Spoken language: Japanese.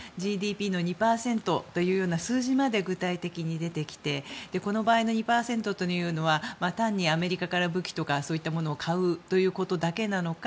ＧＤＰの２％というような数字まで具体的に出てきてこの場合の２％というのは単にアメリカから武器とかそういったものを買うということだけなのか